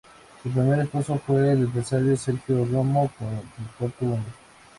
Su primer esposo fue el empresario Sergio Romo, con el cual tuvo un hijo.